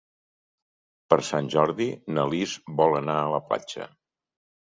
Per Sant Jordi na Lis vol anar a la platja.